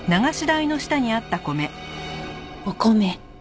お米。